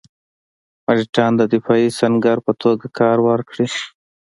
مرهټیان د دفاعي سنګر په توګه کار ورکړي.